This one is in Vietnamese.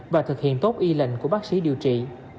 và thực hiện tốt y lệnh của bác sĩ điều trị